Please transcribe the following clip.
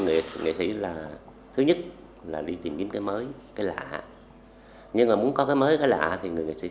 nghệ sĩ là thứ nhất là đi tìm kiếm cái mới cái lạ nhưng mà muốn có cái mới cái lạ thì người nghệ sĩ